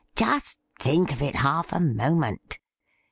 ' Just think of it half a moment.